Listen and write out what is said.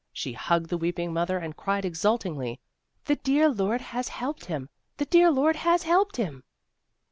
She hugged the weeping mother and cried exultingly: "The dear Lord has helped him; the dear Lord has helped him!"